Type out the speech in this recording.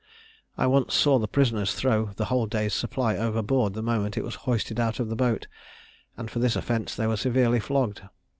I once saw the prisoners throw the whole day's supply overboard the moment it was hoisted out of the boat, and for this offence they were severely flogged.